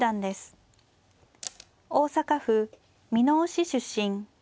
大阪府箕面市出身。